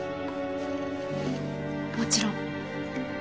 もちろん。